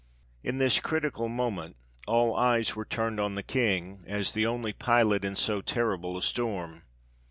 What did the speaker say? In this critical moment all eyes were turned on the King, as the only pilot in so terrible a storm.